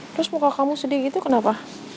terus muka kamu sedih gitu kenapa